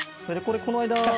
これこの間。